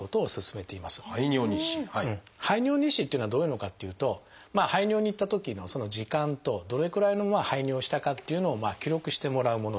排尿日誌っていうのはどういうのかっていうと排尿に行ったときの時間とどれくらいの排尿をしたかっていうのを記録してもらうものです。